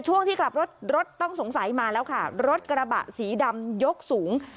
ช่วงที่กลับรถรถต้องสงสัยมาแล้วค่ะรถกระบะสีดำยกสูง